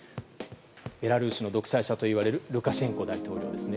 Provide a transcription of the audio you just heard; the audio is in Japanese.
ベラルーシの独裁者といわれるルカシェンコ大統領ですね。